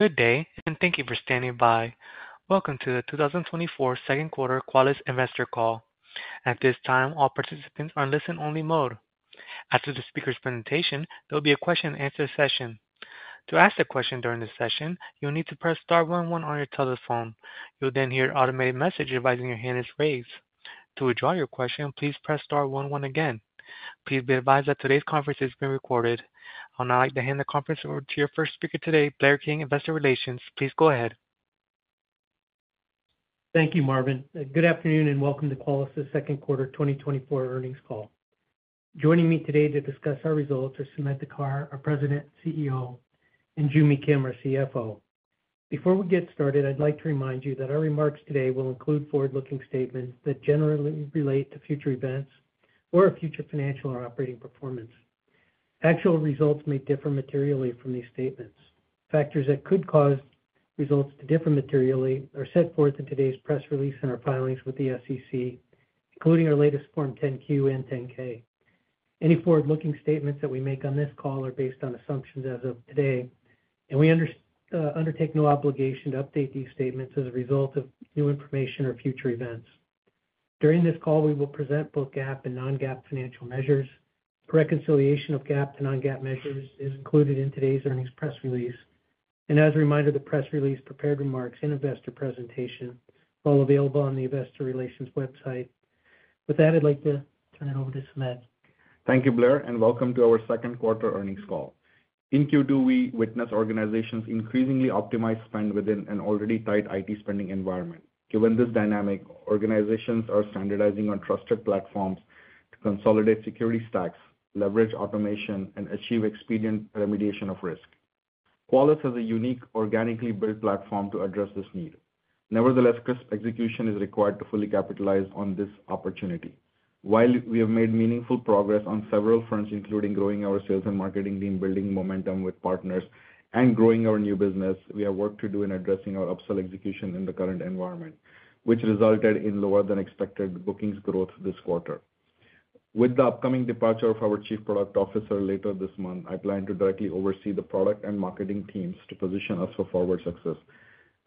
Good day, and thank you for standing by. Welcome to the 2024 second quarter Qualys investor call. At this time, all participants are in listen-only mode. After the speaker's presentation, there will be a question-and-answer session. To ask a question during this session, you'll need to press star one one on your telephone. You'll then hear an automated message advising your hand is raised. To withdraw your question, please press star one one again. Please be advised that today's conference is being recorded. I would now like to hand the conference over to your first speaker today, Blair King, Investor Relations. Please go ahead. Thank you, Marvin. Good afternoon, and welcome to Qualys' second quarter 2024 earnings call. Joining me today to discuss our results are Sumedh Thakar, our President and CEO, and Joo Mi Kim, our CFO. Before we get started, I'd like to remind you that our remarks today will include forward-looking statements that generally relate to future events or our future financial or operating performance. Actual results may differ materially from these statements. Factors that could cause results to differ materially are set forth in today's press release and our filings with the SEC, including our latest Form 10-Q and 10-K. Any forward-looking statements that we make on this call are based on assumptions as of today, and we undertake no obligation to update these statements as a result of new information or future events. During this call, we will present both GAAP and non-GAAP financial measures. Reconciliation of GAAP to non-GAAP measures is included in today's earnings press release. As a reminder, the press release, prepared remarks, and investor presentation, all available on the investor relations website. With that, I'd like to turn it over to Sumedh. Thank you, Blair, and welcome to our second quarter earnings call. In Q2, we witnessed organizations increasingly optimize spend within an already tight IT spending environment. Given this dynamic, organizations are standardizing on trusted platforms to consolidate security stacks, leverage automation, and achieve expedient remediation of risk. Qualys has a unique, organically built platform to address this need. Nevertheless, crisp execution is required to fully capitalize on this opportunity. While we have made meaningful progress on several fronts, including growing our sales and marketing team, building momentum with partners, and growing our new business, we have work to do in addressing our upsell execution in the current environment, which resulted in lower than expected bookings growth this quarter. With the upcoming departure of our Chief Product Officer later this month, I plan to directly oversee the product and marketing teams to position us for forward success.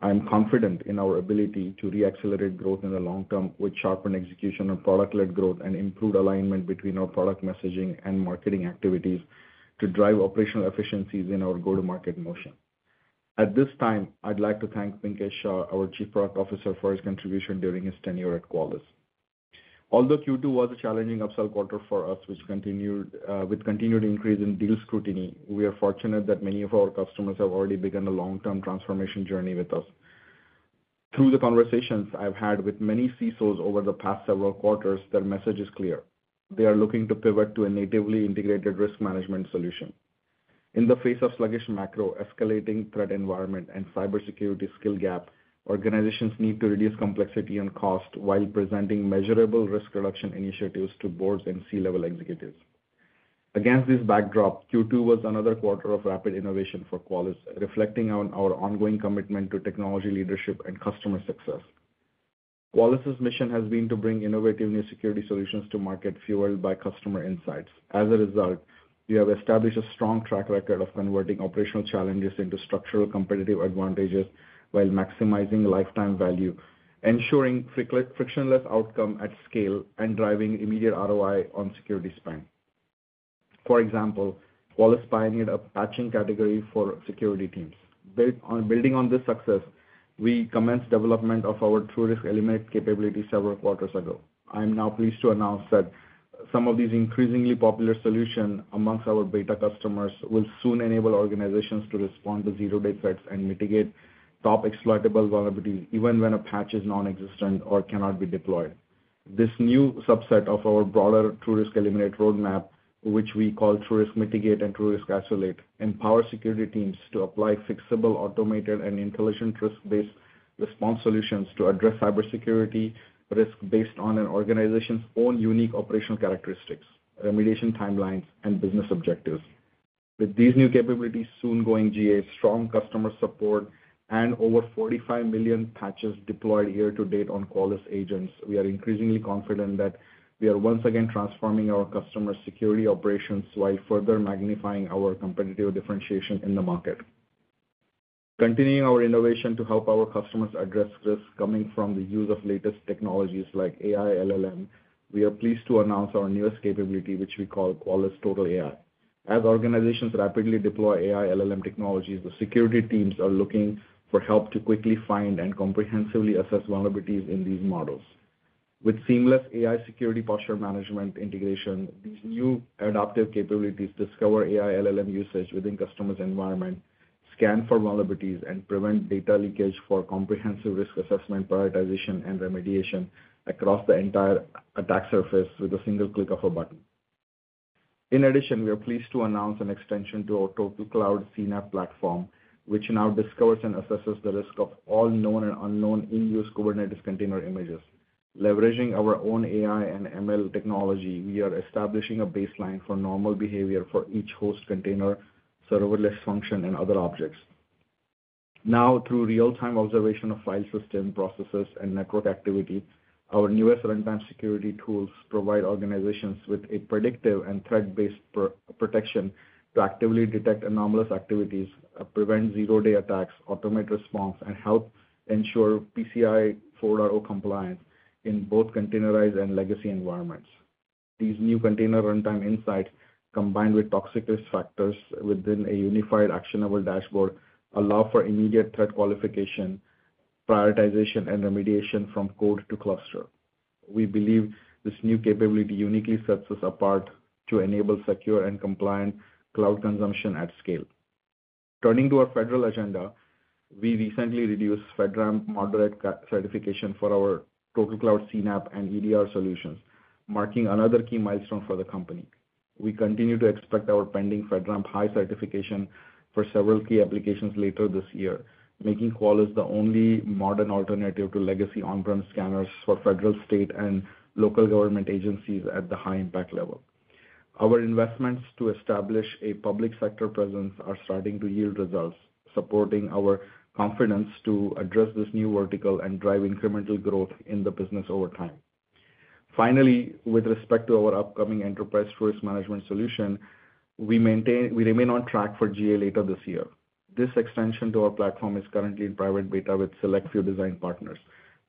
I am confident in our ability to re-accelerate growth in the long term, with sharpened execution on product-led growth and improved alignment between our product messaging and marketing activities, to drive operational efficiencies in our go-to-market motion. At this time, I'd like to thank Pinkesh Shah, our Chief Product Officer, for his contribution during his tenure at Qualys. Although Q2 was a challenging upsell quarter for us, which continued with continued increase in deal scrutiny, we are fortunate that many of our customers have already begun a long-term transformation journey with us. Through the conversations I've had with many CISOs over the past several quarters, their message is clear: They are looking to pivot to a natively integrated risk management solution. In the face of sluggish macro, escalating threat environment, and cybersecurity skill gap, organizations need to reduce complexity and cost while presenting measurable risk reduction initiatives to boards and C-level executives. Against this backdrop, Q2 was another quarter of rapid innovation for Qualys, reflecting on our ongoing commitment to technology leadership and customer success. Qualys's mission has been to bring innovative new security solutions to market, fueled by customer insights. As a result, we have established a strong track record of converting operational challenges into structural competitive advantages while maximizing lifetime value, ensuring frictionless outcome at scale, and driving immediate ROI on security spend. For example, Qualys pioneered a patching category for security teams. Building on this success, we commenced development of our TruRisk Eliminate capability several quarters ago. I am now pleased to announce that some of these increasingly popular solution amongst our beta customers will soon enable organizations to respond to zero-day threats and mitigate top exploitable vulnerabilities, even when a patch is non-existent or cannot be deployed. This new subset of our broader TruRisk Eliminate roadmap, which we call TruRisk Mitigate and TruRisk Isolate, empower security teams to apply fixable, automated, and intelligent risk-based response solutions to address cybersecurity risk based on an organization's own unique operational characteristics, remediation timelines, and business objectives. With these new capabilities soon going GA, strong customer support, and over 45 million patches deployed year to date on Qualys agents, we are increasingly confident that we are once again transforming our customers' security operations while further magnifying our competitive differentiation in the market. Continuing our innovation to help our customers address risks coming from the use of latest technologies like AI, LLM, we are pleased to announce our newest capability, which we call Qualys TotalAI. As organizations rapidly deploy AI LLM technologies, the security teams are looking for help to quickly find and comprehensively assess vulnerabilities in these models. With seamless AI security posture management integration, these new adaptive capabilities discover AI LLM usage within customers' environment, scan for vulnerabilities, and prevent data leakage for comprehensive risk assessment, prioritization, and remediation across the entire attack surface with a single click of a button. In addition, we are pleased to announce an extension to our TotalCloud CNAPP platform, which now discovers and assesses the risk of all known and unknown in-use Kubernetes container images. Leveraging our own AI and ML technology, we are establishing a baseline for normal behavior for each host container, serverless function, and other objects. Now, through real-time observation of file system processes and network activity, our newest runtime security tools provide organizations with a predictive and threat-based protection to actively detect anomalous activities, prevent zero-day attacks, automate response, and help ensure PCI 4.0 compliance in both containerized and legacy environments. These new container runtime insights, combined with TruRisk factors within a unified, actionable dashboard, allow for immediate threat qualification, prioritization, and remediation from code to cluster. We believe this new capability uniquely sets us apart to enable secure and compliant cloud consumption at scale. Turning to our federal agenda, we recently achieved FedRAMP Moderate certification for our TotalCloud CNAPP and EDR solutions, marking another key milestone for the company. We continue to expect our pending FedRAMP High certification for several key applications later this year, making Qualys the only modern alternative to legacy on-prem scanners for federal, state, and local government agencies at the high impact level. Our investments to establish a public sector presence are starting to yield results, supporting our confidence to address this new vertical and drive incremental growth in the business over time. Finally, with respect to our upcoming Enterprise Risk Management solution, we remain on track for GA later this year. This extension to our platform is currently in private beta with select few design partners.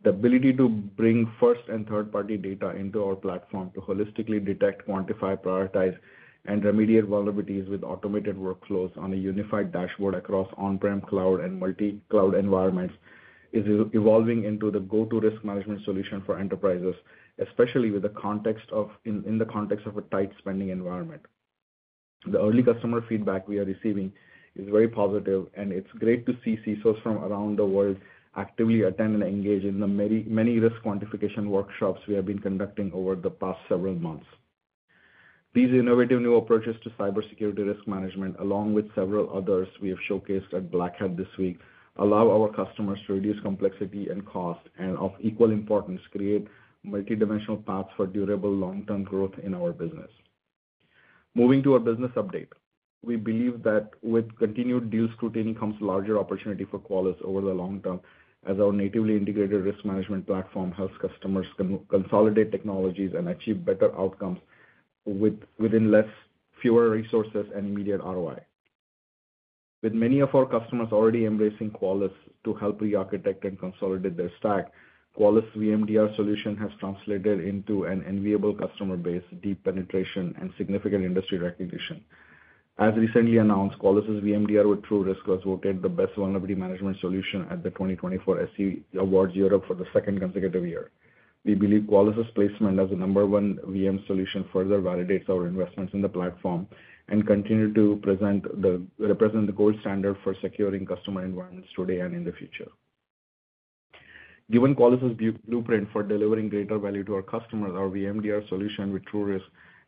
The ability to bring first and third-party data into our platform to holistically detect, quantify, prioritize, and remediate vulnerabilities with automated workflows on a unified dashboard across on-prem cloud and multi-cloud environments is evolving into the go-to risk management solution for enterprises, especially in the context of a tight spending environment. The early customer feedback we are receiving is very positive, and it's great to see CSOs from around the world actively attend and engage in the many, many risk quantification workshops we have been conducting over the past several months. These innovative new approaches to cybersecurity risk management, along with several others we have showcased at Black Hat this week, allow our customers to reduce complexity and cost, and of equal importance, create multi-dimensional paths for durable long-term growth in our business. Moving to our business update. We believe that with continued deal scrutiny comes larger opportunity for Qualys over the long term, as our natively integrated risk management platform helps customers consolidate technologies and achieve better outcomes within fewer resources and immediate ROI. With many of our customers already embracing Qualys to help rearchitect and consolidate their stack, Qualys VMDR solution has translated into an enviable customer base, deep penetration, and significant industry recognition. As recently announced, Qualys' VMDR with TruRisk was voted the best vulnerability management solution at the 2024 SC Awards Europe for the second consecutive year. We believe Qualys' placement as the number one VM solution further validates our investments in the platform and continue to represent the gold standard for securing customer environments today and in the future. Given Qualys' blueprint for delivering greater value to our customers, our VMDR solution with TruRisk is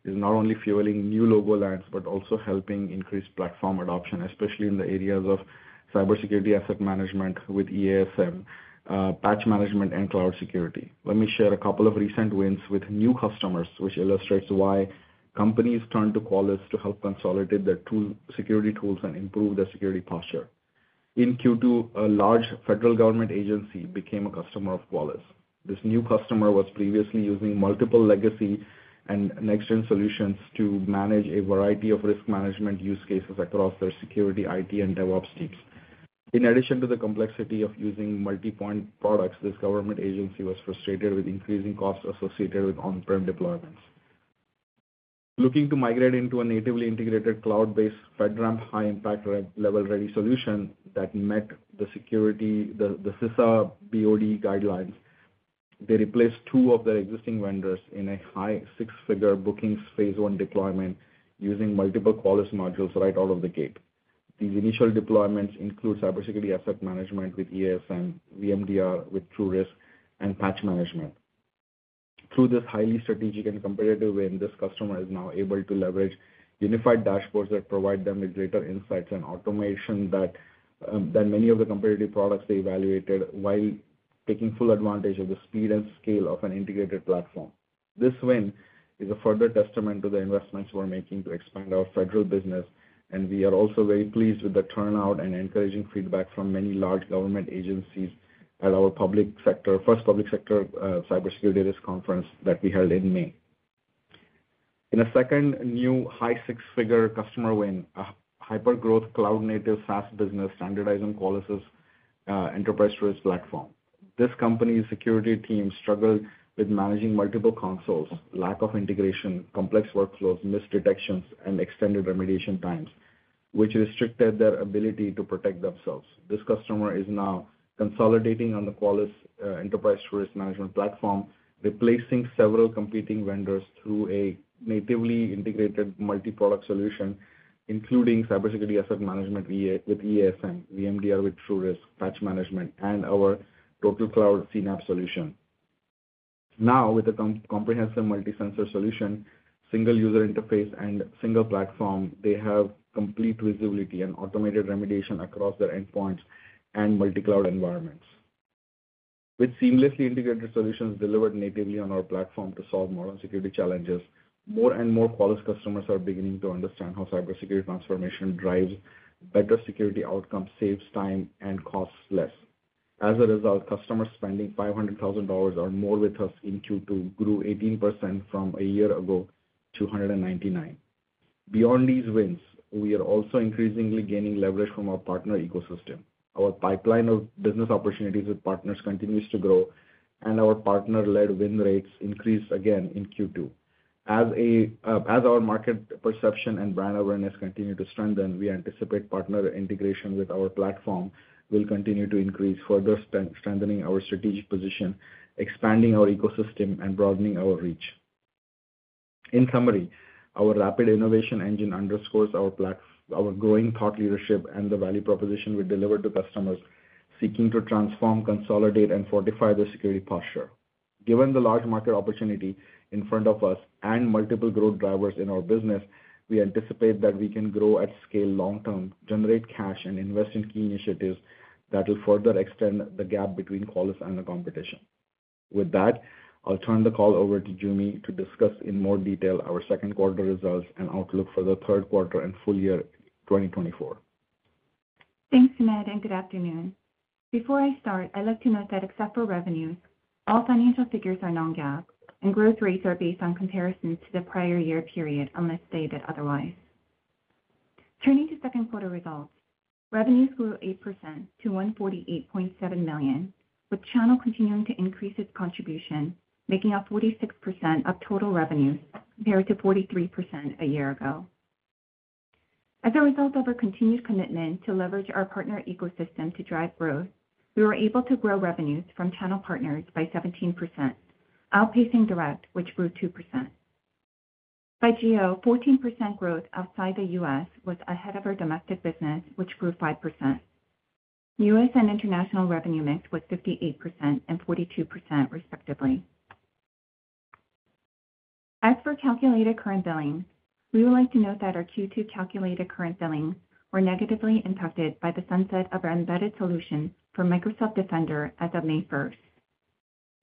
not only fueling new logo lands, but also helping increase platform adoption, especially in the areas of cybersecurity asset management with EASM and patch management and cloud security. Let me share a couple of recent wins with new customers, which illustrates why companies turn to Qualys to help consolidate their security tools and improve their security posture. In Q2, a large federal government agency became a customer of Qualys. This new customer was previously using multiple legacy and next-gen solutions to manage a variety of risk management use cases across their security, IT, and DevOps teams. In addition to the complexity of using multi-point products, this government agency was frustrated with increasing costs associated with on-prem deployments. Looking to migrate into a natively integrated, cloud-based FedRAMP High impact level ready solution that met the security, the CISA BOD guidelines, they replaced two of their existing vendors in a high six-figure bookings phase one deployment, using multiple Qualys modules right out of the gate. These initial deployments include cybersecurity asset management with EASM and VMDR with TruRisk and patch management. Through this highly strategic and competitive win, this customer is now able to leverage unified dashboards that provide them with greater insights and automation that than many of the competitive products they evaluated, while taking full advantage of the speed and scale of an integrated platform. This win is a further testament to the investments we're making to expand our federal business, and we are also very pleased with the turnout and encouraging feedback from many large government agencies at our first public sector cybersecurity risk conference that we held in May. In a second new high six-figure customer win, a hypergrowth cloud-native SaaS business standardizing Qualys's Enterprise TruRisk Platform. This company's security team struggled with managing multiple consoles, lack of integration, complex workflows, misdetections, and extended remediation times, which restricted their ability to protect themselves. This customer is now consolidating on the Qualys Enterprise TruRisk Management platform, replacing several competing vendors through a natively integrated multi-product solution, including cybersecurity asset management, EASM, VMDR with TruRisk, patch management, and our TotalCloud CNAPP solution. Now, with a comprehensive multi-sensor solution, single user interface, and single platform, they have complete visibility and automated remediation across their endpoints and multi-cloud environments. With seamlessly integrated solutions delivered natively on our platform to solve modern security challenges, more and more Qualys customers are beginning to understand how cybersecurity transformation drives better security outcomes, saves time, and costs less. As a result, customers spending $500,000 or more with us in Q2 grew 18% from a year ago to 199. Beyond these wins, we are also increasingly gaining leverage from our partner ecosystem. Our pipeline of business opportunities with partners continues to grow, and our partner-led win rates increased again in Q2. As our market perception and brand awareness continue to strengthen, we anticipate partner integration with our platform will continue to increase, further strengthening our strategic position, expanding our ecosystem, and broadening our reach. In summary, our rapid innovation engine underscores our growing thought leadership and the value proposition we deliver to customers seeking to transform, consolidate, and fortify their security posture. Given the large market opportunity in front of us and multiple growth drivers in our business, we anticipate that we can grow at scale long term, generate cash, and invest in key initiatives that will further extend the gap between Qualys and the competition. With that, I'll turn the call over to Joo Mi to discuss in more detail our second quarter results and outlook for the third quarter and full year 2024. Thanks, Sumedh, and good afternoon. Before I start, I'd like to note that except for revenues, all financial figures are non-GAAP, and growth rates are based on comparisons to the prior year period, unless stated otherwise. Turning to second quarter results, revenues grew 8% to $148.7 million, with channel continuing to increase its contribution, making up 46% of total revenues, compared to 43% a year ago. As a result of our continued commitment to leverage our partner ecosystem to drive growth, we were able to grow revenues from channel partners by 17%, outpacing direct, which grew 2%. By geo, 14% growth outside the U.S. was ahead of our domestic business, which grew 5%. US and international revenue mix was 58% and 42%, respectively. As for calculated current billing, we would like to note that our Q2 calculated current billing were negatively impacted by the sunset of our embedded solution for Microsoft Defender as of May first.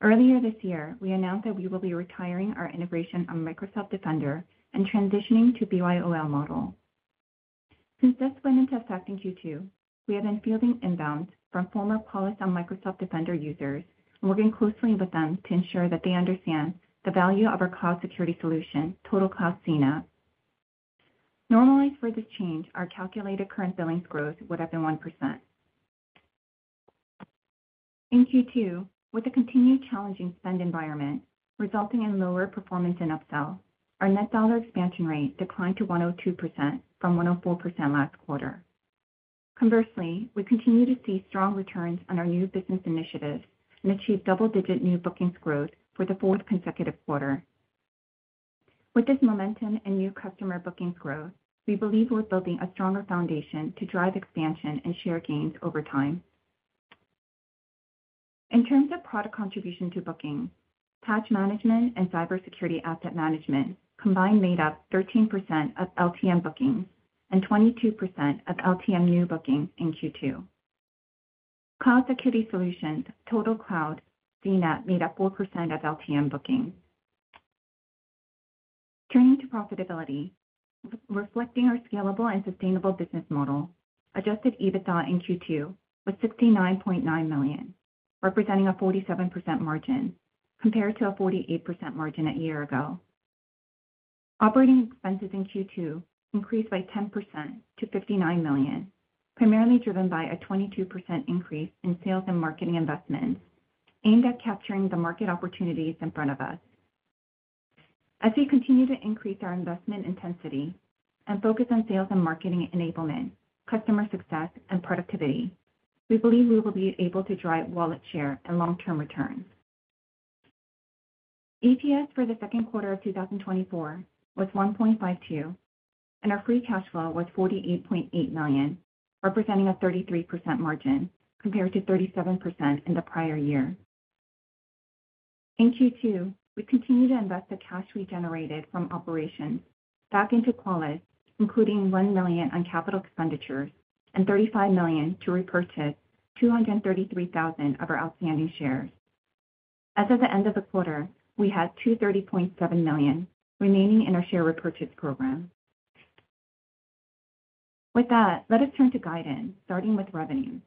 Earlier this year, we announced that we will be retiring our integration on Microsoft Defender and transitioning to BYOL model. Since this went into effect in Q2, we have been fielding inbounds from former Qualys and Microsoft Defender users and working closely with them to ensure that they understand the value of our cloud security solution, TotalCloud CNAPP. Normalized for this change, our calculated current billings growth would have been 1%. In Q2, with the continued challenging spend environment resulting in lower performance and upsell, our net dollar expansion rate declined to 102% from 104% last quarter. Conversely, we continue to see strong returns on our new business initiatives and achieved double-digit new bookings growth for the fourth consecutive quarter. With this momentum and new customer bookings growth, we believe we're building a stronger foundation to drive expansion and share gains over time. In terms of product contribution to bookings, Patch Management and Cybersecurity Asset Management combined made up 13% of LTM bookings and 22% of LTM new bookings in Q2. Cloud security solutions, TotalCloud CNAPP, made up 4% of LTM bookings. Turning to profitability, reflecting our scalable and sustainable business model, adjusted EBITDA in Q2 was $69.9 million, representing a 47% margin, compared to a 48% margin a year ago. Operating expenses in Q2 increased by 10% to $59 million, primarily driven by a 22% increase in sales and marketing investments aimed at capturing the market opportunities in front of us. As we continue to increase our investment intensity and focus on sales and marketing enablement, customer success, and productivity, we believe we will be able to drive wallet share and long-term returns. EPS for the second quarter of 2024 was 1.52, and our free cash flow was $48.8 million, representing a 33% margin, compared to 37% in the prior year. In Q2, we continued to invest the cash we generated from operations back into Qualys, including $1 million on capital expenditures and $35 million to repurchase 233,000 of our outstanding shares. As of the end of the quarter, we had $230.7 million remaining in our share repurchase program. With that, let us turn to guidance, starting with revenues.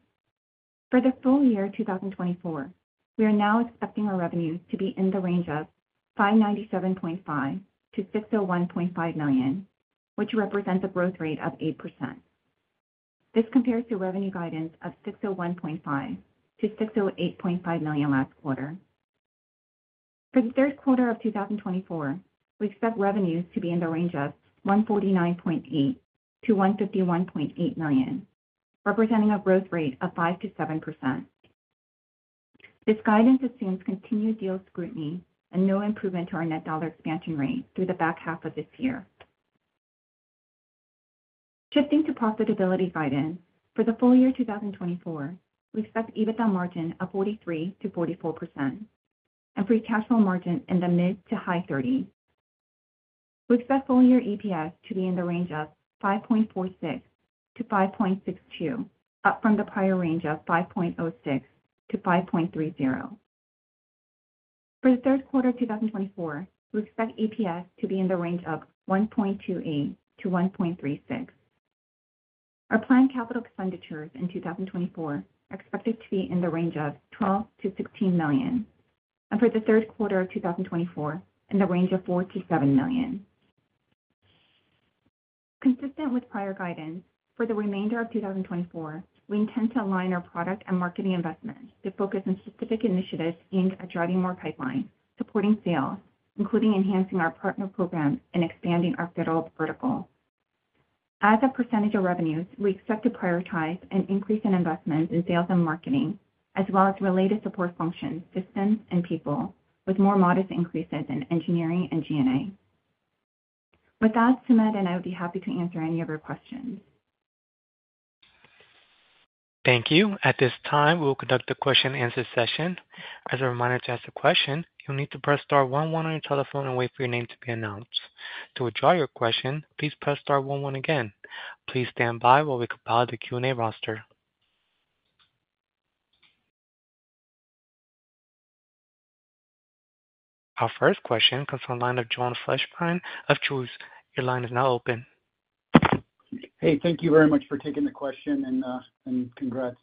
For the full year 2024, we are now expecting our revenues to be in the range of $597.5 million-$601.5 million, which represents a growth rate of 8%. This compares to revenue guidance of $601.5 million-$608.5 million last quarter. For the third quarter of 2024, we expect revenues to be in the range of $149.8 million-$151.8 million, representing a growth rate of 5%-7%. This guidance assumes continued deal scrutiny and no improvement to our net dollar expansion rate through the back half of this year. Shifting to profitability guidance, for the full year 2024, we expect EBITDA margin of 43%-44% and free cash flow margin in the mid- to high 30s. We expect full year EPS to be in the range of 5.46-5.62, up from the prior range of 5.06-5.30. For the third quarter of 2024, we expect EPS to be in the range of 1.28-1.36. Our planned capital expenditures in 2024 are expected to be in the range of $12 million-$16 million, and for the third quarter of 2024, in the range of $4 million-$7 million. Consistent with prior guidance, for the remainder of 2024, we intend to align our product and marketing investments to focus on specific initiatives aimed at driving more pipeline, supporting sales, including enhancing our partner program and expanding our federal vertical. As a percentage of revenues, we expect to prioritize an increase in investment in sales and marketing, as well as related support functions, systems, and people, with more modest increases in engineering and G&A. With that, Sumedh and I would be happy to answer any of your questions. Thank you. At this time, we will conduct a question and answer session. As a reminder, to ask a question, you'll need to press star one one on your telephone and wait for your name to be announced. To withdraw your question, please press star one one again. Please stand by while we compile the Q&A roster. Our first question comes from the line of Joel Fishbein of Truist Securities. Your line is now open. Hey, thank you very much for taking the question, and, and congrats.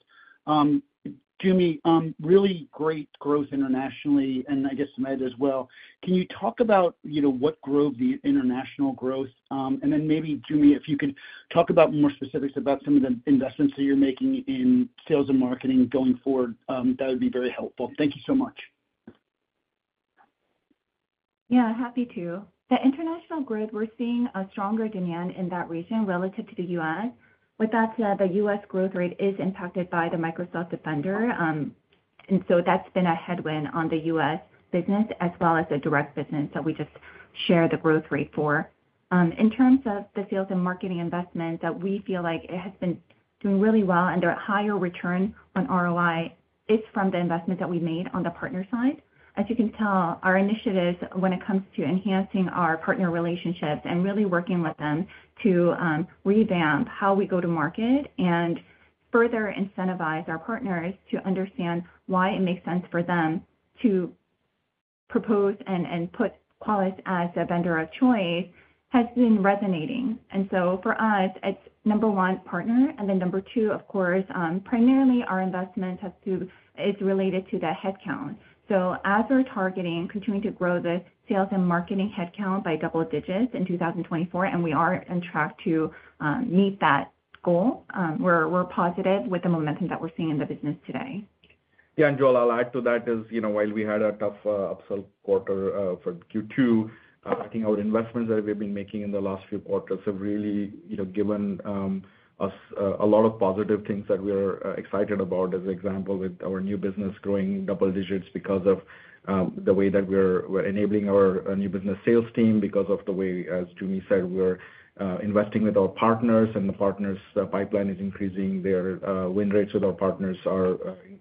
Joo Mi, really great growth internationally, and I guess Sumedh as well. Can you talk about, you know, what drove the international growth? And then maybe, Joo Mi, if you could talk about more specifics about some of the investments that you're making in sales and marketing going forward, that would be very helpful. Thank you so much. Yeah, happy to. The international growth, we're seeing a stronger demand in that region relative to the U.S. With that said, the U.S. growth rate is impacted by the Microsoft Defender. And so that's been a headwind on the U.S. business as well as the direct business that we just share the growth rate for. In terms of the sales and marketing investment, that we feel like it has been doing really well, and the higher return on ROI is from the investment that we made on the partner side. As you can tell, our initiatives when it comes to enhancing our partner relationships and really working with them to revamp how we go to market and further incentivize our partners to understand why it makes sense for them to propose and put Qualys as a vendor of choice, has been resonating. And so for us, it's number one, partner, and then number two, of course, primarily our investment is related to the headcount. So as we're targeting continuing to grow the sales and marketing headcount by double digits in 2024, and we are on track to meet that goal, we're positive with the momentum that we're seeing in the business today. Yeah, and Joel, I'll add to that is, you know, while we had a tough upsell quarter for Q2, I think our investments that we've been making in the last few quarters have really, you know, given us a lot of positive things that we're excited about. As example, with our new business growing double digits because of the way that we're, we're enabling our new business sales team, because of the way, as Joo Mi said, we're investing with our partners, and the partners' pipeline is increasing. Their win rates with our partners are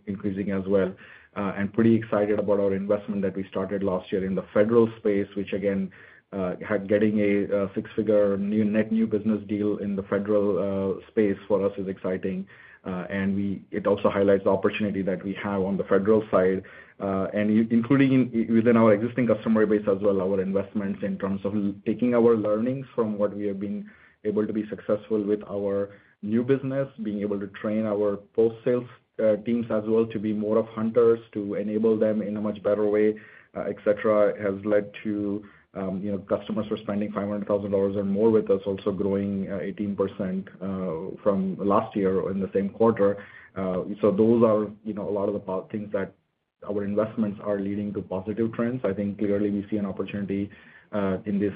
increasing as well. I'm pretty excited about our investment that we started last year in the federal space, which again had getting a six-figure new net new business deal in the federal space for us is exciting. It also highlights the opportunity that we have on the federal side, and including within our existing customer base as well, our investments in terms of taking our learnings from what we have been able to be successful with our new business, being able to train our post-sales teams as well, to be more of hunters, to enable them in a much better way, et cetera, has led to, you know, customers who are spending $500,000 or more with us, also growing 18% from last year in the same quarter. So those are, you know, a lot of the positive things that our investments are leading to positive trends. I think clearly we see an opportunity in this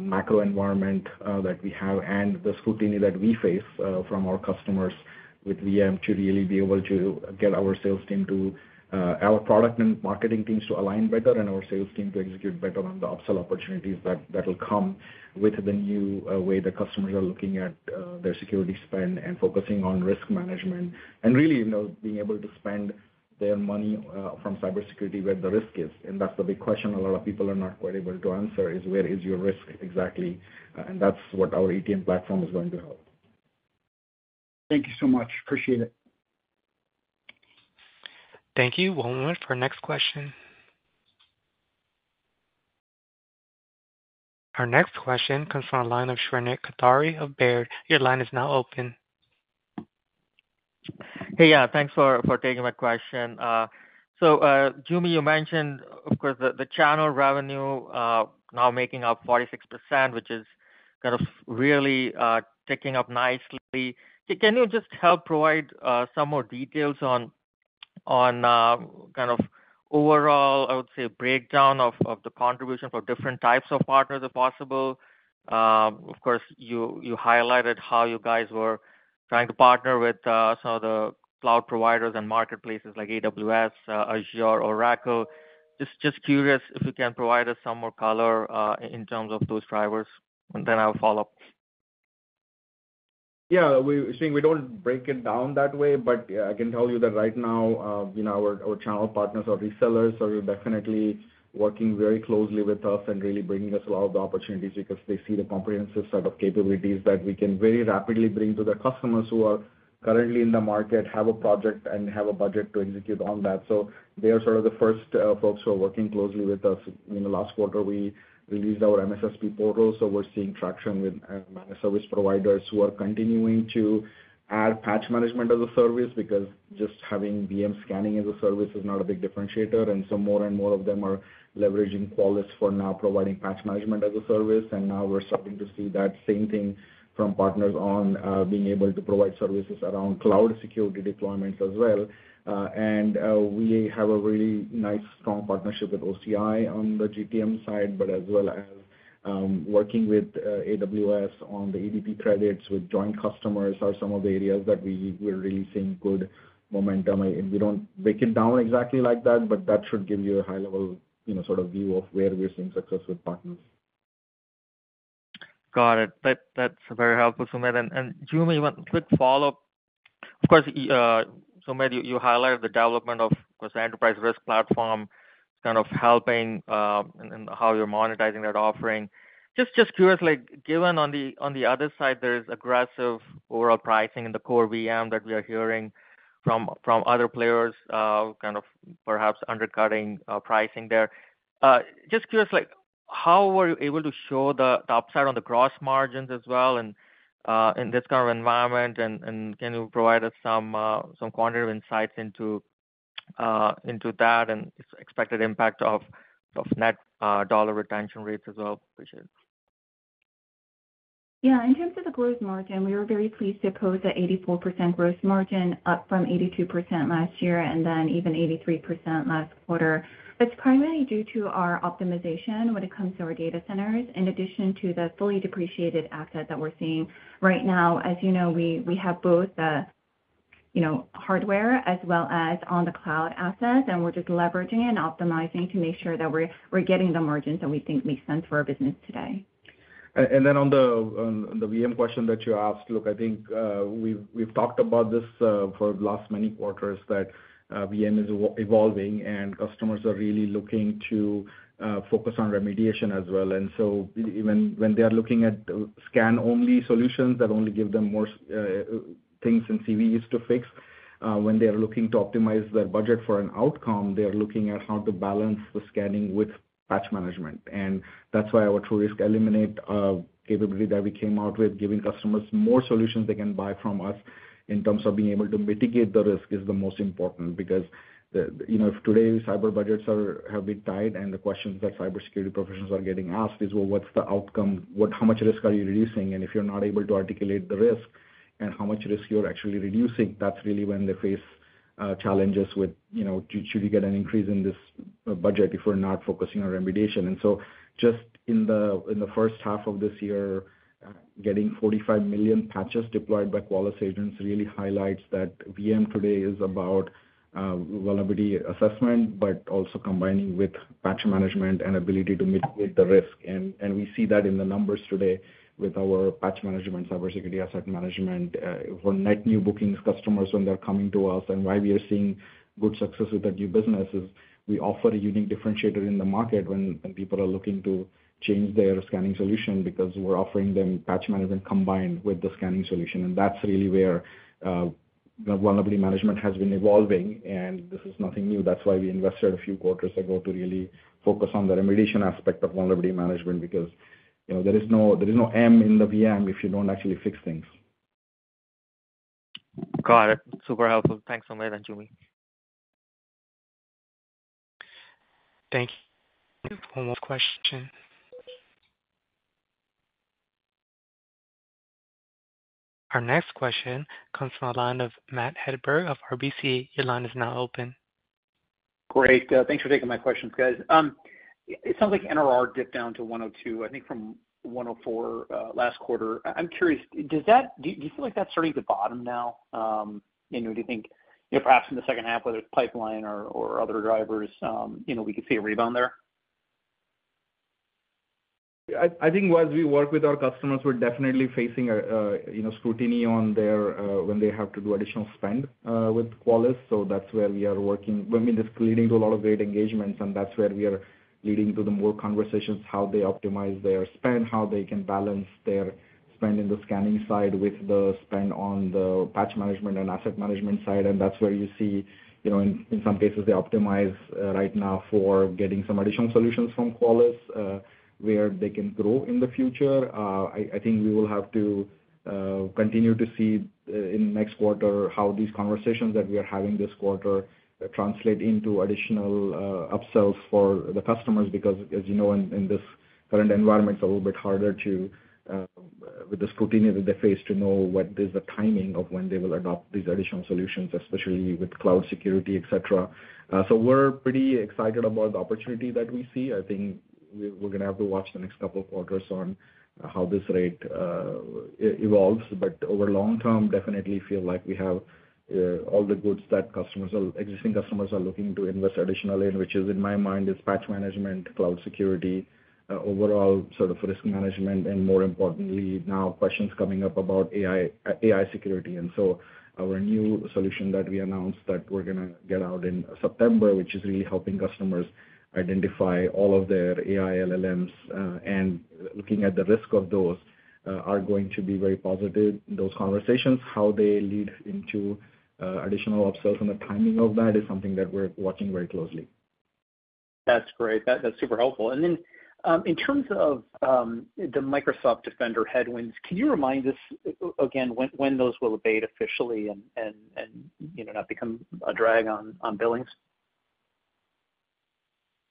macro environment that we have and the scrutiny that we face from our customers with VM to really be able to get our sales team to our product and marketing teams to align better and our sales team to execute better on the upsell opportunities that that will come with the new way the customers are looking at their security spend and focusing on risk management, and really, you know, being able to spend their money from cybersecurity where the risk is. That's the big question a lot of people are not quite able to answer: is where is your risk exactly? That's what our EASM platform is going to help. Thank you so much. Appreciate it. Thank you. One moment for our next question. Our next question comes from the line of Shrenik Kothari of Baird. Your line is now open. Hey, yeah, thanks for taking my question. So, Joo Mi, you mentioned, of course, the channel revenue now making up 46%, which is kind of really ticking up nicely. So can you just help provide some more details on kind of overall, I would say, a breakdown of the contribution for different types of partners, if possible? Of course, you highlighted how you guys were trying to partner with some of the cloud providers and marketplaces like AWS, Azure, Oracle. Just curious if you can provide us some more color in terms of those drivers, and then I'll follow up. ... Yeah, we-- Shrenik, we don't break it down that way, but, yeah, I can tell you that right now, you know, our, our channel partners or resellers are definitely working very closely with us and really bringing us a lot of the opportunities, because they see the comprehensive set of capabilities that we can very rapidly bring to their customers who are currently in the market, have a project, and have a budget to execute on that. So they are sort of the first, folks who are working closely with us. In the last quarter, we released our MSSP portal, so we're seeing traction with, managed service providers who are continuing to add patch management as a service, because just having VM scanning as a service is not a big differentiator. So more and more of them are leveraging Qualys for now providing patch management as a service. Now we're starting to see that same thing from partners on, being able to provide services around cloud security deployments as well. We have a really nice, strong partnership with OCI on the GTM side, but as well as working with AWS on the ADP credits with joint customers are some of the areas that we're really seeing good momentum. We don't break it down exactly like that, but that should give you a high level, you know, sort of view of where we are seeing success with partners. Got it. That, that's very helpful, Sumedh. And Joo Mi, one quick follow-up. Of course, Sumedh, you highlighted the development of this enterprise risk platform kind of helping, and how you're monetizing that offering. Just curiously, given on the other side, there is aggressive overall pricing in the core VM that we are hearing from other players, kind of perhaps undercutting pricing there. Just curious, like, how were you able to show the upside on the gross margins as well, and in this current environment? And can you provide us some quantitative insights into that and its expected impact on net dollar retention rates as well? Appreciate it. Yeah, in terms of the gross margin, we were very pleased to post an 84% gross margin, up from 82% last year, and then even 83% last quarter. That's primarily due to our optimization when it comes to our data centers, in addition to the fully depreciated assets that we're seeing right now. As you know, we have both the, you know, hardware as well as on the cloud assets, and we're just leveraging and optimizing to make sure that we're getting the margins that we think make sense for our business today. And then on the VM question that you asked, look, I think we've talked about this for the last many quarters, that VM is evolving, and customers are really looking to focus on remediation as well. And so even when they are looking at scan-only solutions that only give them more things and CVEs to fix, when they are looking to optimize their budget for an outcome, they are looking at how to balance the scanning with patch management. And that's why our TruRisk Eliminate capability that we came out with, giving customers more solutions they can buy from us in terms of being able to mitigate the risk, is the most important. Because the... You know, if today's cyber budgets are, have been tight, and the questions that cybersecurity professionals are getting asked is, "Well, what's the outcome? What, how much risk are you reducing?" And if you're not able to articulate the risk and how much risk you're actually reducing, that's really when they face challenges with, you know, should we get an increase in this budget if we're not focusing on remediation? And so just in the first half of this year, getting 45 million patches deployed by Qualys agents really highlights that VM today is about vulnerability assessment, but also combining with patch management and ability to mitigate the risk. And we see that in the numbers today with our patch management, cybersecurity asset management, for net new bookings customers when they're coming to us. Why we are seeing good success with that new business is we offer a unique differentiator in the market when people are looking to change their scanning solution, because we're offering them patch management combined with the scanning solution. That's really where the vulnerability management has been evolving, and this is nothing new. That's why we invested a few quarters ago to really focus on the remediation aspect of vulnerability management, because, you know, there is no, there is no M in the VM if you don't actually fix things. Got it. Super helpful. Thanks, Sumedh and Joo Mi. Thank you. One more question. Our next question comes from the line of Matt Hedberg of RBC. Your line is now open. Great, thanks for taking my questions, guys. It sounds like NRR dipped down to 102, I think from 104, last quarter. I'm curious, does that... Do you feel like that's starting to bottom now? You know, do you think, you know, perhaps in the second half, whether it's pipeline or other drivers, you know, we could see a rebound there? I think as we work with our customers, we're definitely facing a, you know, scrutiny on their when they have to do additional spend with Qualys. So that's where we are working. I mean, this is leading to a lot of great engagements, and that's where we are leading to the more conversations, how they optimize their spend, how they can balance their spend in the scanning side with the spend on the patch management and asset management side. And that's where you see, you know, in some cases, they optimize right now for getting some additional solutions from Qualys, where they can grow in the future. I think we will have to continue to see in next quarter how these conversations that we are having this quarter translate into additional upsells for the customers, because, as you know, in this current environment, it's a little bit harder to with the scrutiny that they face to know what is the timing of when they will adopt these additional solutions, especially with cloud security, et cetera. So we're pretty excited about the opportunity that we see. I think we're gonna have to watch the next couple of quarters on how this rate evolves. But over long term, definitely feel like we have all the goods that customers are, existing customers are looking to invest additionally, and which is, in my mind, is patch management, cloud security, overall sort of risk management, and more importantly, now questions coming up about AI, AI security. And so our new solution that we announced that we're gonna get out in September, which is really helping customers identify all of their AI LLMs, and looking at the risk of those, are going to be very positive. Those conversations, how they lead into additional upsells, and the timing of that is something that we're watching very closely. That's great. That's super helpful. And then, in terms of the Microsoft Defender headwinds, can you remind us again when those will abate officially and, you know, not become a drag on billings?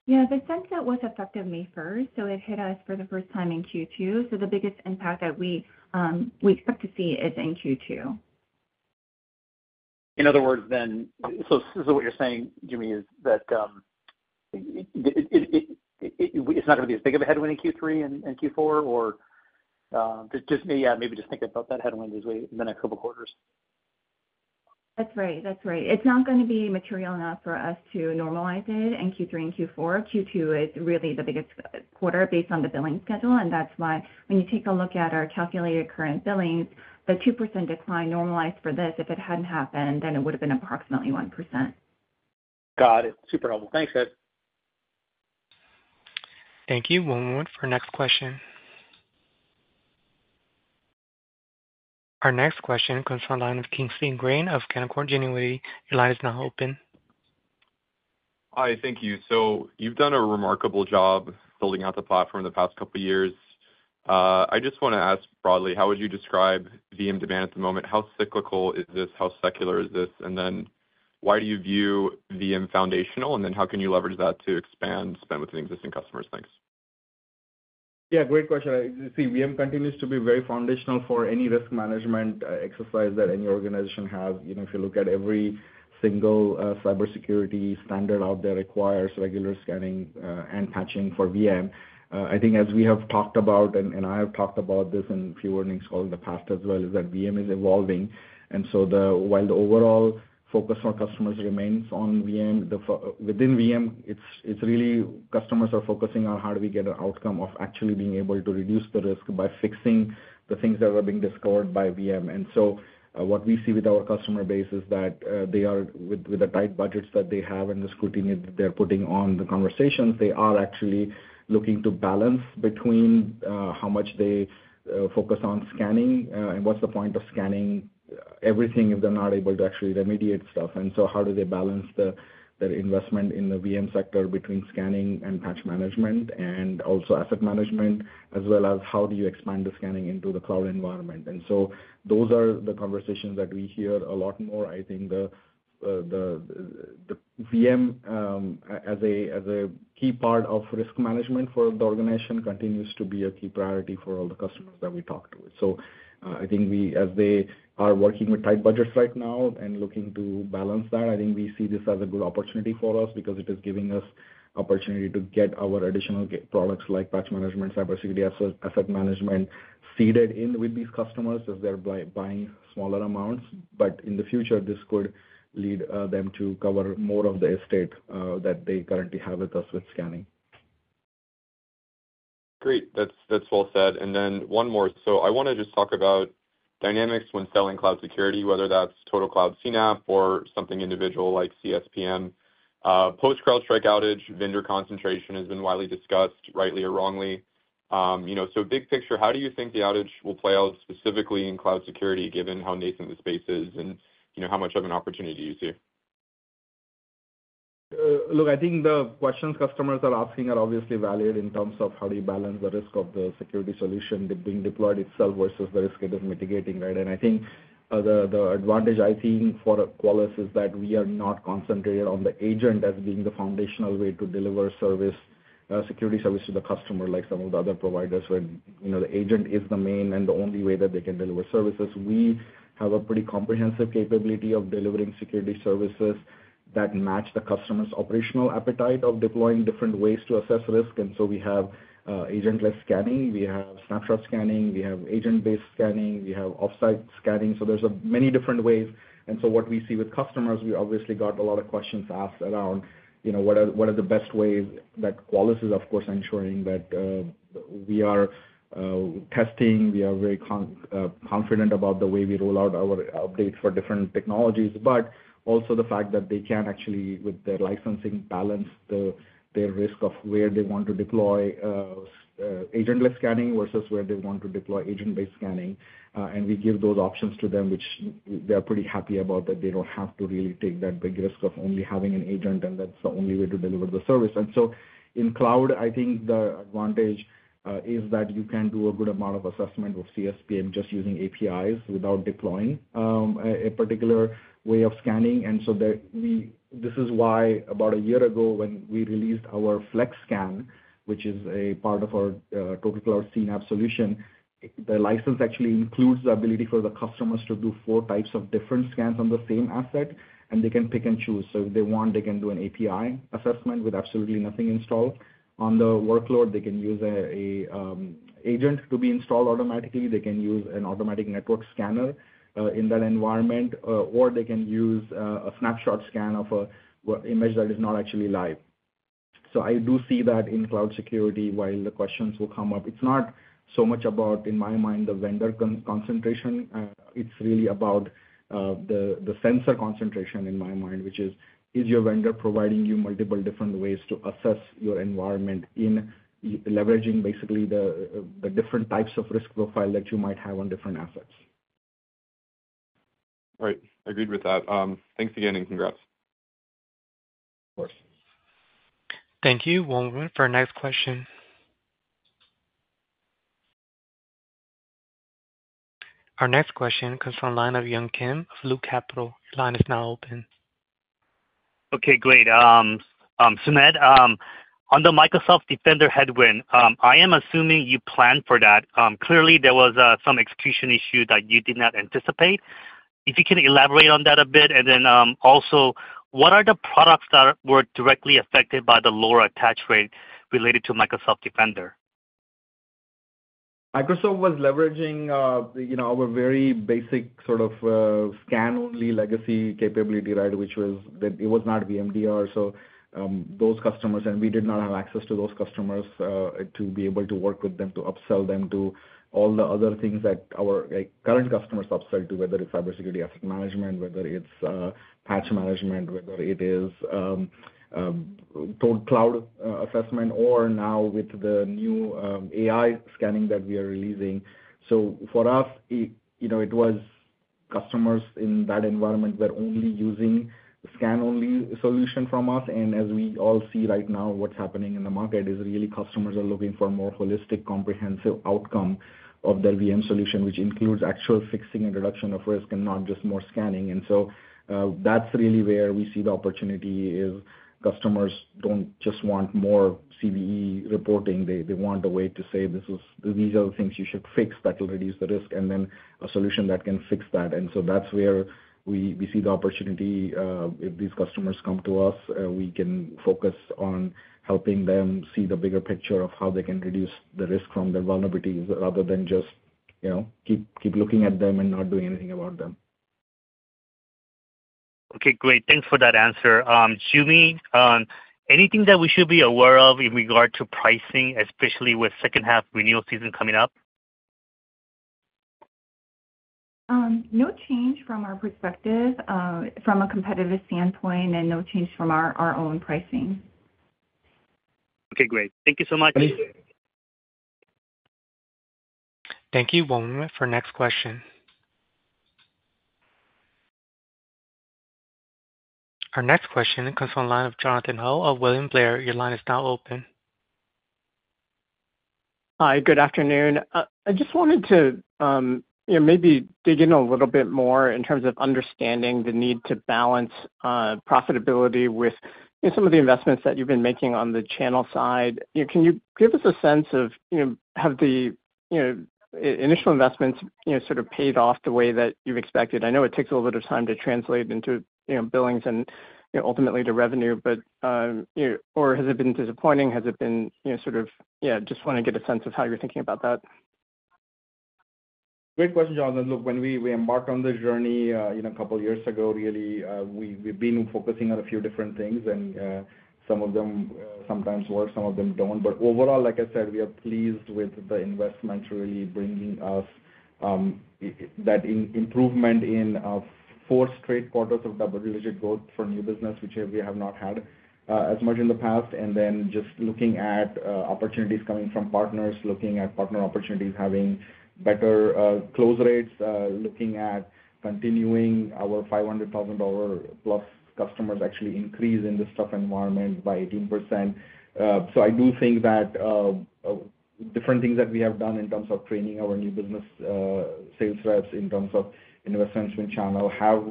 Yeah, the sunset was effective May first, so it hit us for the first time in Q2. So the biggest impact that we, we expect to see is in Q2. In other words, then. So, what you're saying, Jimmy, is that it's not gonna be as big of a headwind in Q3 and Q4, or just maybe, yeah, maybe just think about that headwind as we—in a couple quarters. That's right, that's right. It's not gonna be material enough for us to normalize it in Q3 and Q4. Q2 is really the biggest quarter based on the billing schedule, and that's why when you take a look at our calculated current billings, the 2% decline normalized for this, if it hadn't happened, then it would've been approximately 1%. Got it. Super helpful. Thanks, guys. Thank you. One moment for next question. Our next question comes from the line of Kingsley Crane of Canaccord Genuity. Your line is now open. Hi, thank you. So you've done a remarkable job building out the platform the past couple years. I just wanna ask broadly, how would you describe VM demand at the moment? How cyclical is this? How secular is this? And then why do you view VM foundational, and then how can you leverage that to expand spend with the existing customers? Thanks. Yeah, great question. See, VM continues to be very foundational for any risk management exercise that any organization have. You know, if you look at every single cybersecurity standard out there requires regular scanning and patching for VM. I think as we have talked about, and I have talked about this in a few earnings calls in the past as well, is that VM is evolving. And so the... While the overall focus on customers remains on VM, the focus within VM, it's, it's really customers are focusing on how do we get an outcome of actually being able to reduce the risk by fixing the things that were being discovered by VM. And so, what we see with our customer base is that they are, with the tight budgets that they have and the scrutiny that they're putting on the conversations, actually looking to balance between how much they focus on scanning and what's the point of scanning everything if they're not able to actually remediate stuff. And so how do they balance their investment in the VM sector between scanning and patch management and also asset management, as well as how do you expand the scanning into the cloud environment? And so those are the conversations that we hear a lot more. I think the VM as a key part of risk management for the organization continues to be a key priority for all the customers that we talk to. So, I think we, as they are working with tight budgets right now and looking to balance that, I think we see this as a good opportunity for us, because it is giving us opportunity to get our additional products, like Patch Management, Cybersecurity Asset Management, seeded in with these customers as they're buying smaller amounts. But in the future, this could lead them to cover more of the estate that they currently have with us with scanning. Great. That's, that's well said. And then one more. So I wanna just talk about dynamics when selling cloud security, whether that's TotalCloud CNAPP or something individual like CSPM. Post CrowdStrike outage, vendor concentration has been widely discussed, rightly or wrongly. You know, so big picture, how do you think the outage will play out, specifically in cloud security, given how nascent the space is, and, you know, how much of an opportunity you see? Look, I think the questions customers are asking are obviously valid in terms of how do you balance the risk of the security solution being deployed itself versus the risk it is mitigating, right? And I think the advantage I see for Qualys is that we are not concentrated on the agent as being the foundational way to deliver service, security service to the customer, like some of the other providers, when, you know, the agent is the main and the only way that they can deliver services. We have a pretty comprehensive capability of delivering security services that match the customer's operational appetite of deploying different ways to assess risk, and so we have agentless scanning, we have snapshot scanning, we have agent-based scanning, we have offsite scanning. So there's many different ways. And so what we see with customers, we obviously got a lot of questions asked around, you know, what are, what are the best ways that Qualys is, of course, ensuring that we are testing, we are very confident about the way we roll out our updates for different technologies. But also the fact that they can actually, with their licensing balance, their risk of where they want to deploy agentless scanning versus where they want to deploy agent-based scanning. And we give those options to them, which they are pretty happy about, that they don't have to really take that big risk of only having an agent, and that's the only way to deliver the service. In cloud, I think the advantage is that you can do a good amount of assessment with CSPM just using APIs without deploying a particular way of scanning. This is why about a year ago, when we released our FlexScan, which is a part of our TotalCloud CNAPP solution, the license actually includes the ability for the customers to do four types of different scans on the same asset, and they can pick and choose. So if they want, they can do an API assessment with absolutely nothing installed. On the workload, they can use an agent to be installed automatically. They can use an automatic network scanner in that environment, or they can use a snapshot scan of a workload image that is not actually live. So I do see that in cloud security, while the questions will come up, it's not so much about, in my mind, the vendor concentration. It's really about the sensor concentration in my mind, which is: Is your vendor providing you multiple different ways to assess your environment in leveraging basically the different types of risk profile that you might have on different assets? Right. Agreed with that. Thanks again, and congrats. Of course. Thank you. One moment for our next question. Our next question comes from the line of Yun Kim of Loop Capital. Your line is now open. Okay, great. Sunset on the Microsoft Defender headwind, I am assuming you planned for that. Clearly, there was some execution issue that you did not anticipate. If you can elaborate on that a bit, and then also, what are the products that were directly affected by the lower attach rate related to Microsoft Defender? Microsoft was leveraging, you know, our very basic sort of, scan-only legacy capability, right? Which was not VMDR. So, those customers. And we did not have access to those customers, to be able to work with them, to upsell them to all the other things that our, like, current customers upsell to, whether it's cybersecurity risk management, whether it's, patch management, whether it is, TotalCloud, assessment, or now with the new, AI scanning that we are releasing. So for us, it, you know, it was customers in that environment were only using scan-only solution from us. And as we all see right now, what's happening in the market is really customers are looking for a more holistic, comprehensive outcome of their VM solution, which includes actual fixing and reduction of risk and not just more scanning. And so, that's really where we see the opportunity, is customers don't just want more CVE reporting. They want a way to say, "These are the things you should fix that will reduce the risk," and then a solution that can fix that. And so that's where we see the opportunity. If these customers come to us, we can focus on helping them see the bigger picture of how they can reduce the risk from their vulnerabilities, rather than just, you know, keep looking at them and not doing anything about them. Okay, great. Thanks for that answer. Joo Mi, anything that we should be aware of in regard to pricing, especially with second half renewal season coming up? No change from our perspective, from a competitive standpoint, and no change from our own pricing. Okay, great. Thank you so much. Thank you. One moment for next question. Our next question comes from the line of Jonathan Ho of William Blair. Your line is now open. Hi, good afternoon. I just wanted to, you know, maybe dig in a little bit more in terms of understanding the need to balance profitability with, you know, some of the investments that you've been making on the channel side. You know, can you give us a sense of, you know, have the, you know, initial investments, you know, sort of paid off the way that you've expected? I know it takes a little bit of time to translate into, you know, billings and, you know, ultimately to revenue, but, you... Or has it been disappointing? Has it been, you know, sort of... Yeah, just wanna get a sense of how you're thinking about that. Great question, Jonathan. Look, when we, we embarked on this journey, you know, a couple of years ago, really, we, we've been focusing on a few different things, and, some of them, sometimes work, some of them don't. But overall, like I said, we are pleased with the investment really bringing us, that improvement in, 4 straight quarters of double-digit growth for new business, which we have not had, as much in the past. And then just looking at, opportunities coming from partners, looking at partner opportunities, having better, close rates, looking at continuing our $500,000-plus customers actually increase in this tough environment by 18%. So I do think that different things that we have done in terms of training our new business sales reps, in terms of investment channel, have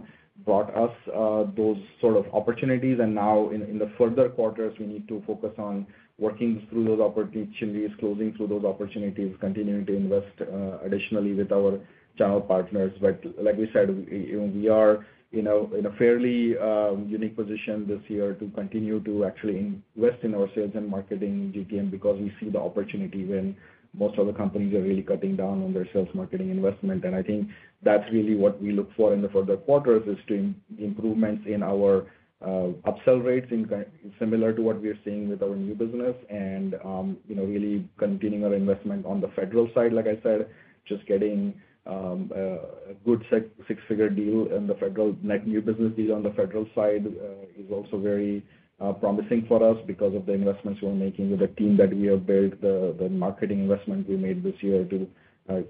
brought us those sort of opportunities. And now in the further quarters, we need to focus on working through those opportunities, closing through those opportunities, continuing to invest additionally with our channel partners. But like we said, you know, we are, you know, in a fairly unique position this year to continue to actually invest in our sales and marketing GTM because we see the opportunity when most other companies are really cutting down on their sales marketing investment. I think that's really what we look for in the further quarters, is improvements in our upsell rates, in similar to what we are seeing with our new business and, you know, really continuing our investment on the federal side. Like I said, just getting a good six-figure deal in the federal net new business deal on the federal side is also very promising for us because of the investments we're making with the team that we have built, the marketing investment we made this year to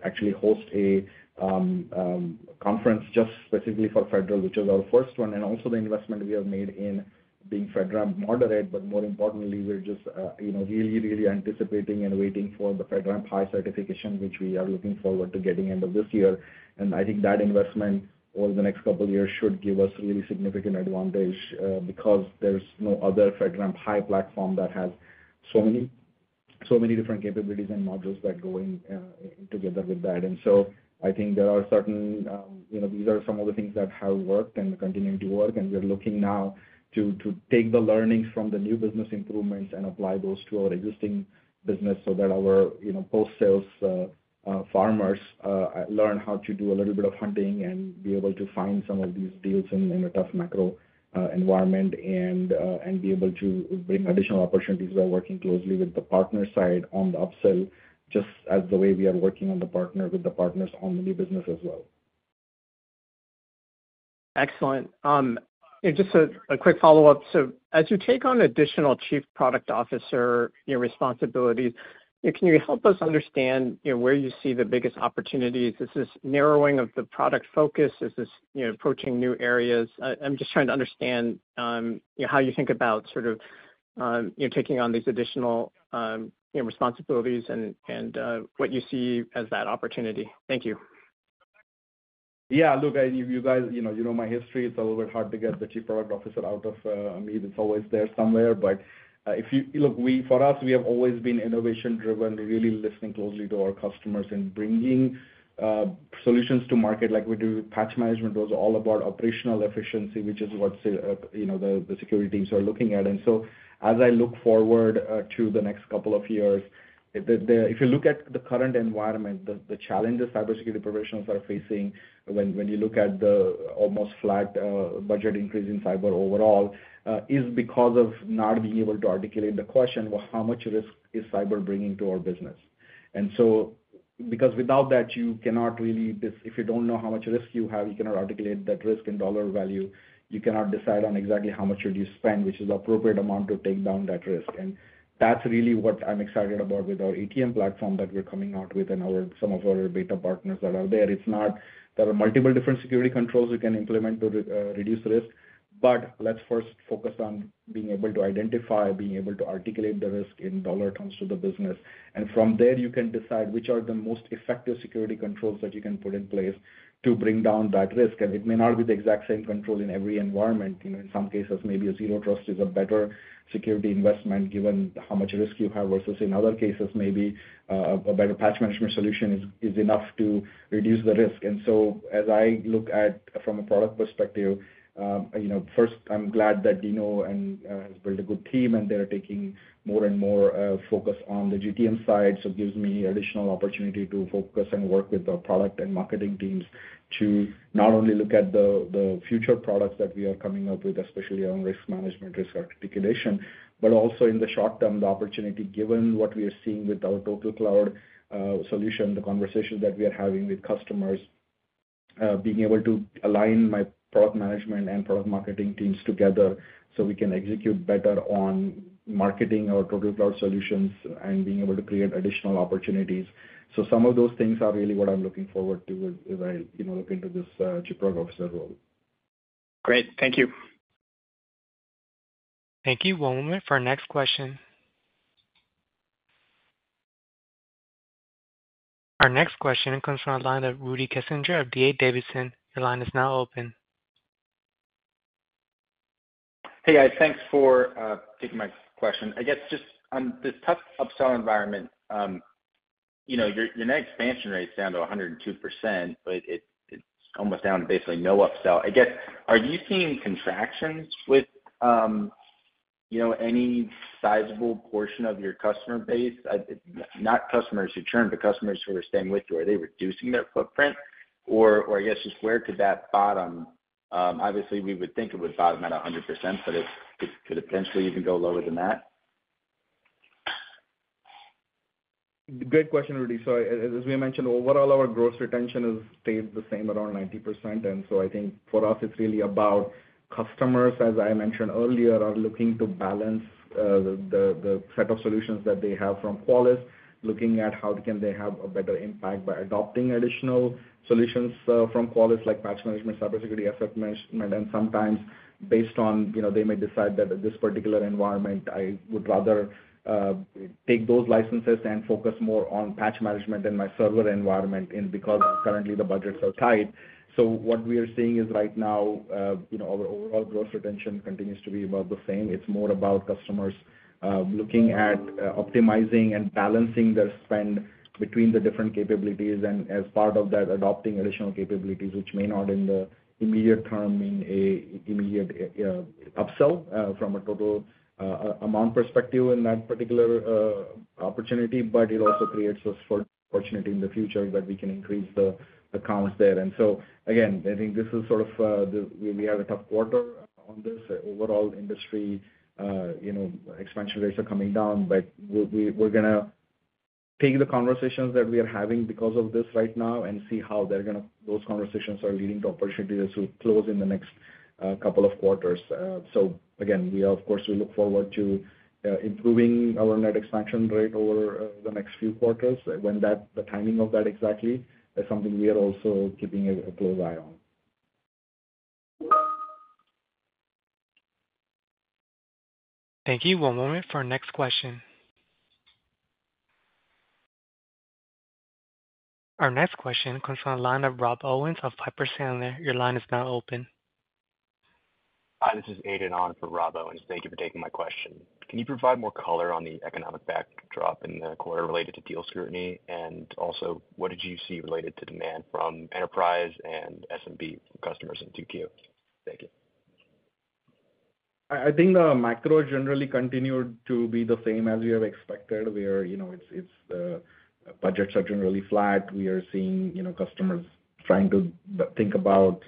actually host a conference just specifically for federal, which is our first one, and also the investment we have made in being FedRAMP Moderate. But more importantly, we're just, you know, really, really anticipating and waiting for the FedRAMP high certification, which we are looking forward to getting end of this year. And I think that investment over the next couple of years should give us really significant advantage, because there's no other FedRAMP high platform that has so many different capabilities and modules that go in together with that. And so I think there are certain, you know, these are some of the things that have worked and continuing to work, and we are looking now to take the learnings from the new business improvements and apply those to our existing business so that our, you know, post-sales farmers learn how to do a little bit of hunting and be able to find some of these deals in a tough macro environment, and be able to bring additional opportunities while working closely with the partner side on the upsell, just as the way we are working on the partner with the partners on the new business as well. Excellent. And just a quick follow-up: So as you take on additional Chief Product Officer, you know, responsibilities, can you help us understand, you know, where you see the biggest opportunities? Is this narrowing of the product focus? Is this, you know, approaching new areas? I'm just trying to understand, you know, how you think about sort of, you know, taking on these additional, you know, responsibilities and, and, what you see as that opportunity. Thank you. Yeah. Look, I - you guys, you know, you know my history. It's a little bit hard to get the chief product officer out of me. It's always there somewhere. But, if you... Look, we - for us, we have always been innovation driven, really listening closely to our customers and bringing solutions to market, like we do with patch management, was all about operational efficiency, which is what you know, the security teams are looking at. And so as I look forward to the next couple of years, if you look at the current environment, the challenges cybersecurity professionals are facing when you look at the almost flat budget increase in cyber overall is because of not being able to articulate the question, well, how much risk is cyber bringing to our business? Because without that, you cannot really -- if you don't know how much risk you have, you cannot articulate that risk in dollar value, you cannot decide on exactly how much should you spend, which is the appropriate amount to take down that risk. That's really what I'm excited about with our ETM platform that we're coming out with and our, some of our beta partners that are out there. It's not -- there are multiple different security controls you can implement to reduce risk, but let's first focus on being able to identify, being able to articulate the risk in dollar terms to the business. And from there, you can decide which are the most effective security controls that you can put in place to bring down that risk. And it may not be the exact same control in every environment. You know, in some cases, maybe a Zero Trust is a better security investment, given how much risk you have, versus in other cases, maybe a better patch management solution is enough to reduce the risk. And so as I look at from a product perspective, you know, first, I'm glad that Dino and has built a good team, and they're taking more and more focus on the GTM side. So it gives me additional opportunity to focus and work with the product and marketing teams to not only look at the future products that we are coming up with, especially on risk management, risk articulation, but also in the short term, the opportunity, given what we are seeing with our TotalCloud solution, the conversations that we are having with customers, being able to align my product management and product marketing teams together so we can execute better on marketing our TotalCloud solutions and being able to create additional opportunities. So some of those things are really what I'm looking forward to as I, you know, look into this Chief Product Officer role. Great. Thank you. Thank you. One moment for our next question. Our next question comes from the line of Rudy Kessinger of D.A. Davidson. Your line is now open. Hey, guys. Thanks for taking my question. I guess just on this tough upsell environment, you know, your net expansion rate is down to 102%, but it's almost down to basically no upsell. I guess, are you seeing contractions with, you know, any sizable portion of your customer base? Not customers who churn, but customers who are staying with you, are they reducing their footprint? Or I guess, just where could that bottom... Obviously, we would think it would bottom at 100%, but it could potentially even go lower than that? Great question, Rudy. So as we mentioned, overall, our gross retention has stayed the same, around 90%. And so I think for us, it's really about customers, as I mentioned earlier, are looking to balance the set of solutions that they have from Qualys, looking at how can they have a better impact by adopting additional solutions from Qualys, like Patch Management, Cybersecurity Asset Management. And sometimes based on, you know, they may decide that at this particular environment, I would rather take those licenses and focus more on Patch Management than my server environment, and because currently the budgets are tight. So what we are seeing is right now, you know, our overall gross retention continues to be about the same. It's more about customers looking at optimizing and balancing their spend between the different capabilities, and as part of that, adopting additional capabilities, which may not in the immediate term mean an immediate upsell from a total amount perspective in that particular opportunity, but it also creates this opportunity in the future that we can increase the accounts there. And so again, I think this is sort of the we had a tough quarter on this. Overall industry, you know, expansion rates are coming down, but we'll we, we're gonna take the conversations that we are having because of this right now and see how they're gonna those conversations are leading to opportunities to close in the next couple of quarters. So again, we are, of course, we look forward to improving our net expansion rate over the next few quarters. When that, the timing of that exactly is something we are also keeping a close eye on. Thank you. One moment for our next question.... Our next question comes from the line of Rob Owens of Piper Sandler. Your line is now open. Hi, this is Aidan on for Rob Owens. Thank you for taking my question. Can you provide more color on the economic backdrop in the quarter related to deal scrutiny? And also, what did you see related to demand from enterprise and SMB customers in 2Q? Thank you. I think the macro generally continued to be the same as we have expected, where, you know, it's budgets are generally flat. We are seeing, you know, customers trying to think about,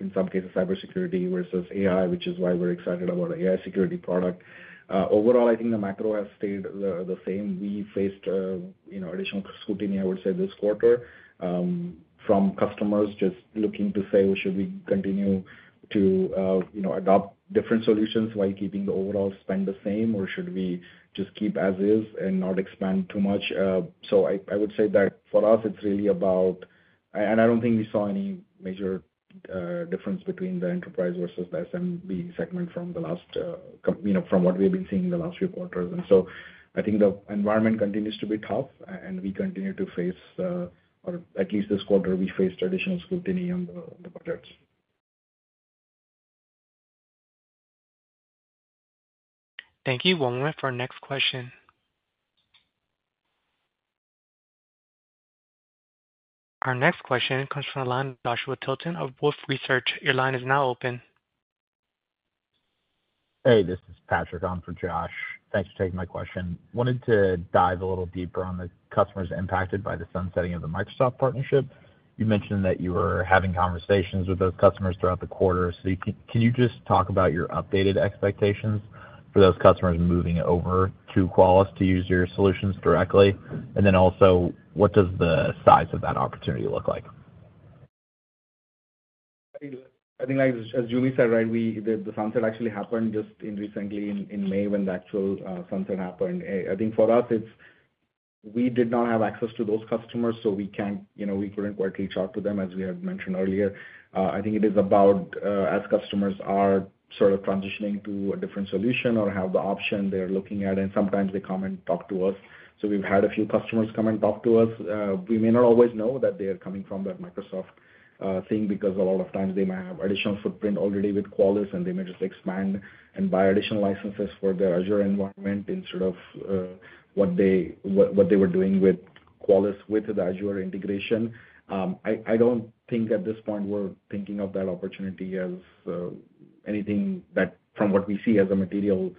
in some cases, cybersecurity versus AI, which is why we're excited about our AI security product. Overall, I think the macro has stayed the same. We faced, you know, additional scrutiny, I would say, this quarter, from customers just looking to say, "Well, should we continue to, you know, adopt different solutions while keeping the overall spend the same? Or should we just keep as is and not expand too much?" So I would say that for us, it's really about... And I don't think we saw any major difference between the enterprise versus the SMB segment from the last, you know, from what we've been seeing in the last few quarters. And so I think the environment continues to be tough, and we continue to face, or at least this quarter, we faced additional scrutiny on the, the budgets. Thank you. One moment for our next question. Our next question comes from the line of Joshua Tilton of Wolfe Research. Your line is now open. Hey, this is Patrick on for Josh. Thanks for taking my question. Wanted to dive a little deeper on the customers impacted by the sunsetting of the Microsoft partnership. You mentioned that you were having conversations with those customers throughout the quarter. So can you just talk about your updated expectations for those customers moving over to Qualys to use your solutions directly? And then also, what does the size of that opportunity look like? I think, like, as Joo Mi said, right, the sunset actually happened just recently in May, when the actual sunset happened. I think for us, it's we did not have access to those customers, so we can't, you know, we couldn't quite reach out to them, as we had mentioned earlier. I think it is about, as customers are sort of transitioning to a different solution or have the option, they're looking at, and sometimes they come and talk to us. So we've had a few customers come and talk to us. We may not always know that they are coming from that Microsoft thing, because a lot of times they might have additional footprint already with Qualys, and they may just expand and buy additional licenses for their Azure environment instead of what they were doing with Qualys, with the Azure integration. I don't think at this point we're thinking of that opportunity as anything that, from what we see, as a material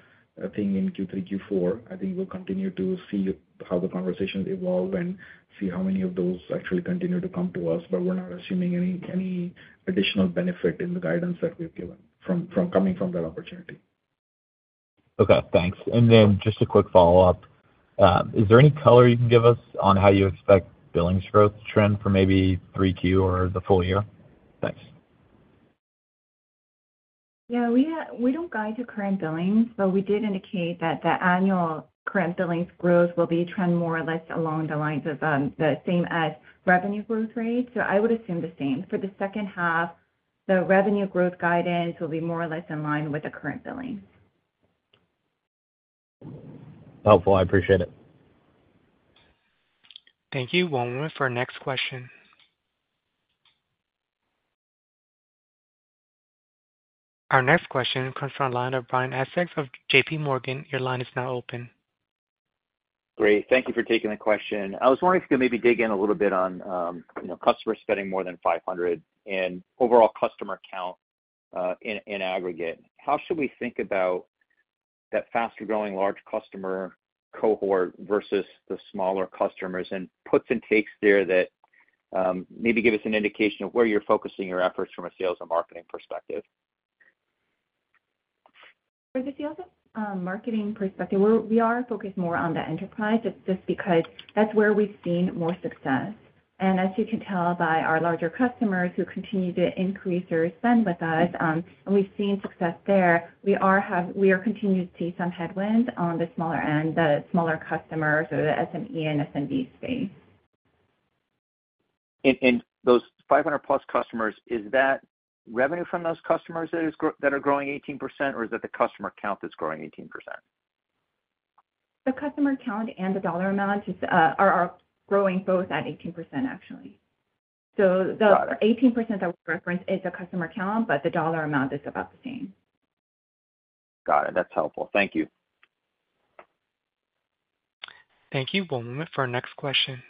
thing in Q3, Q4. I think we'll continue to see how the conversations evolve and see how many of those actually continue to come to us, but we're not assuming any additional benefit in the guidance that we've given from coming from that opportunity. Okay, thanks. Then just a quick follow-up. Is there any color you can give us on how you expect billings growth trend for maybe 3Q or the full year? Thanks. Yeah, we have... We don't guide to current billings, but we did indicate that the annual current billings growth will trend more or less along the lines of, the same as revenue growth rate, so I would assume the same. For the second half, the revenue growth guidance will be more or less in line with the current billing. Helpful. I appreciate it. Thank you. One moment for our next question. Our next question comes from the line of Brian Essex of J.P. Morgan. Your line is now open. Great. Thank you for taking the question. I was wondering if you could maybe dig in a little bit on, you know, customer spending more than $500 and overall customer count, in aggregate. How should we think about that faster-growing large customer cohort versus the smaller customers, and puts and takes there that maybe give us an indication of where you're focusing your efforts from a sales and marketing perspective? From the sales and marketing perspective, we're, we are focused more on the enterprise. It's just because that's where we've seen more success. And as you can tell by our larger customers who continue to increase their spend with us, and we've seen success there, we are continuing to see some headwind on the smaller end, the smaller customers or the SME and SMB space. And those 500-plus customers, is that revenue from those customers that are growing 18%, or is it the customer count that's growing 18%? The customer count and the dollar amount is, are growing both at 18%, actually. Got it. The 18% that we referenced is the customer count, but the dollar amount is about the same. Got it. That's helpful. Thank you. Thank you. One moment for our next question.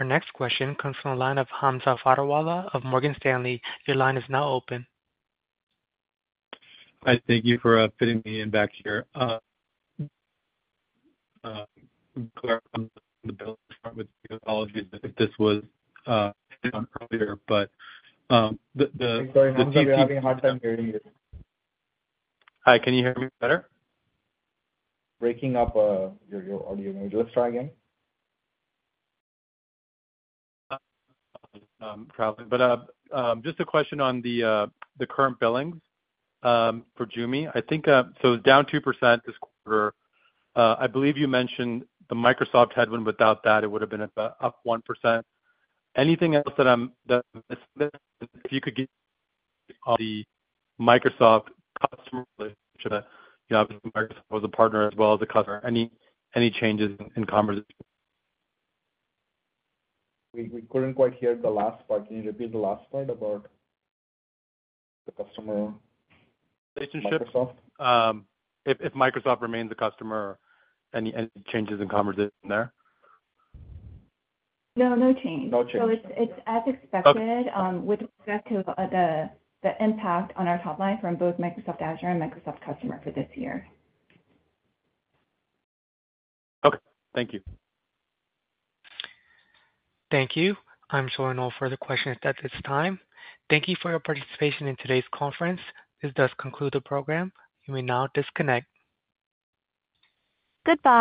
Our next question comes from the line of Hamza Fodderwala of Morgan Stanley. Your line is now open. Hi, thank you for fitting me in back here. Clarify on the billing department, apologies if this was earlier, but, Sorry, Hamza, we're having a hard time hearing you. Hi, can you hear me better? Breaking up, your audio. Maybe just try again. Probably, but just a question on the current billings for Joo Mi. I think so down 2% this quarter. I believe you mentioned the Microsoft headwind. Without that, it would've been about up 1%. Anything else that I'm, that... If you could give the Microsoft customer, you have Microsoft as a partner as well as a customer, any changes in conversation? We couldn't quite hear the last part. Can you repeat the last part about the customer- Relationships -Microsoft. If Microsoft remains a customer, any changes in conversation there? No, no change. No change. It's as expected. Okay. With respect to the impact on our top line from both Microsoft Azure and Microsoft customer for this year. Okay, thank you. Thank you. I'm showing no further questions at this time. Thank you for your participation in today's conference. This does conclude the program. You may now disconnect. Goodbye.